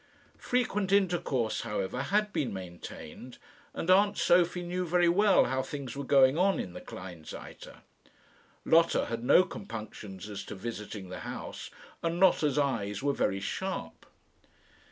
Frequent intercourse, however, had been maintained, and aunt Sophie knew very well how things were going on in the Kleinseite. Lotta had no compunctions as to visiting the house, and Lotta's eyes were very sharp.